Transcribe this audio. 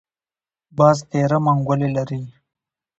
باز تېره منګولې لري